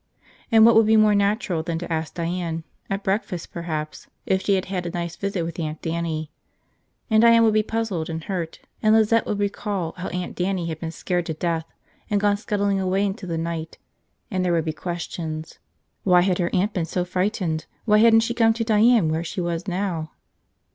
And what would be more natural than to ask Diane, at breakfast perhaps, if she had had a nice visit with Aunt Dannie. And Diane would be puzzled and hurt, and Lizette would recall how Aunt Dannie had been scared to death and gone scuttling away into the night, and there would be questions – why had her aunt been so frightened, why hadn't she come to Diane, where was she now